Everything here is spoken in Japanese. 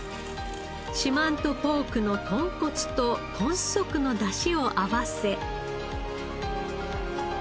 四万十ポークの豚骨と豚足の出汁を合わせ。